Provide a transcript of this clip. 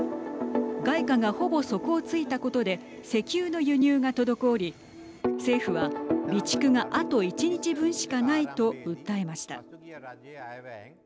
外貨が、ほぼ底をついたことで石油の輸入が滞り政府は、備蓄があと１日分しかないと訴えました。